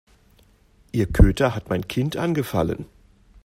Ihr Köter hat mein Kind angefallen.